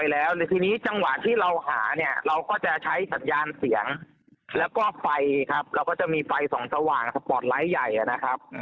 แล้วก็ไฟครับเราก็จะมีไฟส่องสว่างสปอร์ตไลท์ใหญ่นะครับ